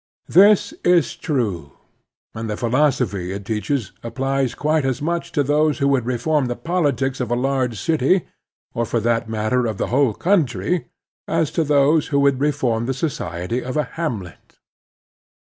This is true, and the philos ophy it teaches applies quite as much to those who would reform the politics of a large city, or, for that matter, of the whole coimtry, as to those who would reform the society of a hamlet.